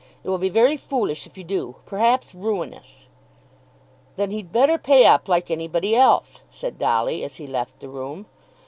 It will be very foolish if you do; perhaps ruinous." "Then he'd better pay up, like anybody else," said Dolly as he left the room.